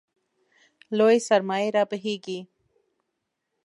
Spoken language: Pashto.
لویې سرمایې رابهېږي.